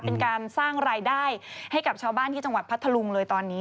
เป็นการสร้างรายได้ให้กับชาวบ้านที่จังหวัดพัทธลุงเลยตอนนี้